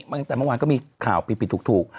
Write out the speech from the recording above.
ตั้งแต่เมื่อวานก็มีข่าวปิดถูก